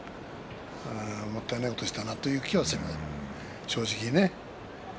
もったいないことしたなという気はするね、正直ね。